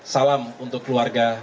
salam untuk keluarga